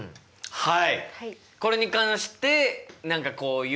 はい。